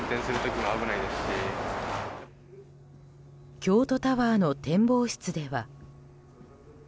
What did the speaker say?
京都タワーの展望室では。